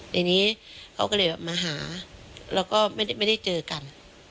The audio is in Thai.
ทีนี้เขาก็เลยแบบมาหาแล้วก็ไม่ได้เจอกัน